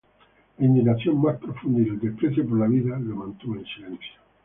La indignación más profunda y desprecio por la vida lo mantuvo en silencio.